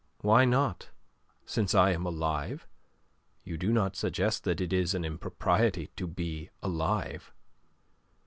"Why not, since I am alive? You do not suggest that it is an impropriety to be alive?"